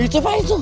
itu pak itu